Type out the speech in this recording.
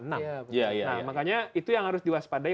nah makanya itu yang harus diwaspadai